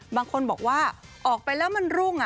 บางคนบอกว่าออกไปแล้วมันรุ่ง